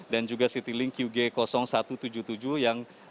yaitu ada citylink dengan tiga nomor penerbangan pesawatnya